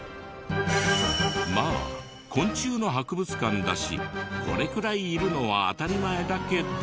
まあ昆虫の博物館だしこれくらいいるのは当たり前だけど。